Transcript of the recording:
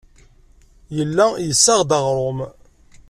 Yella yessaɣ-d aɣrum.